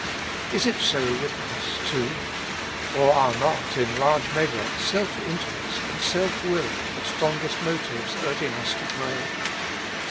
Is it so with us too ? Or are not, in large measure, self interest and self will the strongest motives urging us to pray